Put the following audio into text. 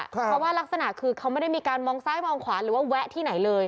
เพราะว่ารักษณะคือเขาไม่ได้มีการมองซ้ายมองขวาหรือว่าแวะที่ไหนเลย